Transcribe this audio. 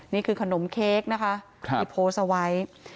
นี่คือขนมเค้กนะคะที่โพสต์เอาไว้